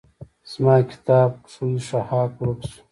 زما کتاب ښوی ښهاک ورک شو.